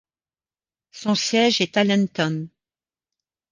Son siège est Allentown.